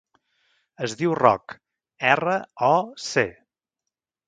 Es diu Roc: erra, o, ce.